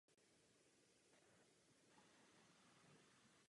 Vilu často navštěvovali herci německých kočovných společností.